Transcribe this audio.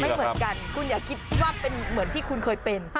ไม่เหมือนกันคุณอย่าคิดว่าเป็นเหมือนที่คุณเคยเป็น